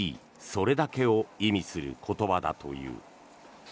それだけ」を意味する言葉だという。